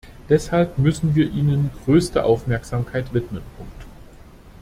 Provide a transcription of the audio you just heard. Deshalb müssen wir ihnen größte Aufmerksamkeit widmen.